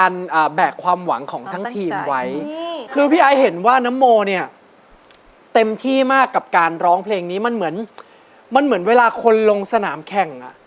แล้วพี่ไอเห็นว่าน้ำโมเนี่ยเต็มที่มากกับการร้องเพลงนี้มันเหมือนเวลาคนลงสนามแข่ง